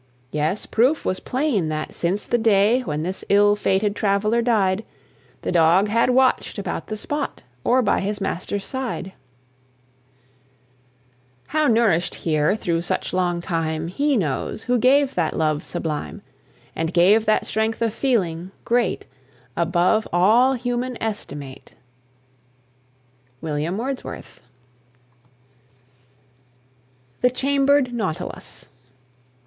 Yes, proof was plain that, since the day When this ill fated traveller died, The Dog had watched about the spot, Or by his master's side: How nourished here through such long time He knows, who gave that love sublime; And gave that strength of feeling, great Above all human estimate. WILLIAM WORDSWORTH. THE CHAMBERED NAUTILUS.